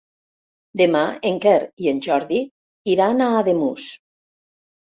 Demà en Quer i en Jordi iran a Ademús.